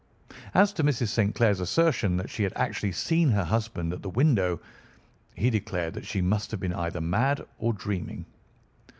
As to Mrs. St. Clair's assertion that she had actually seen her husband at the window, he declared that she must have been either mad or dreaming.